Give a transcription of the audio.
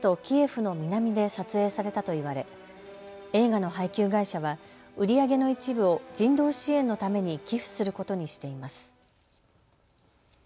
キエフの南で撮影されたといわれ映画の配給会社は売り上げの一部を人道支援のために寄付することにしています。